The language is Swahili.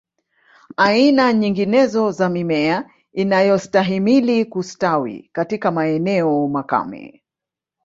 Aina nyinginezo za mimea inayostahimili kustawi katika maeneo makame